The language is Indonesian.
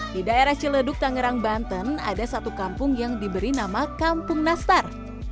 di daerah ciledug tangerang banten ada satu kampung yang diberi nama kampung nastar